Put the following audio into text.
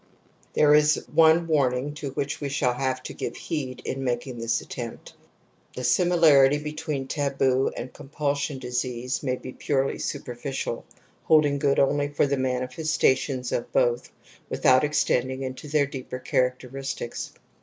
There is one warning to which we shall have to give heed in making this attempt. The similar ity between taboo and compulsion disease may be purely superficial, holding good only for the manifestations of both without extending into their deeper characteristics.